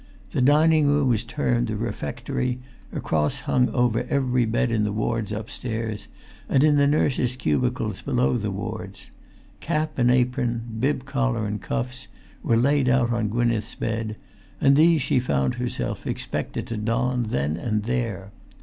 The dining room was termed the "refectory"; a cross hung over every bed in the wards upstairs, and in the nurses' cubicles below the wards. Cap and apron, bib collar and cuffs, were laid out on Gwynneth's bed, and these she found her[Pg 352]self expected to don then and there.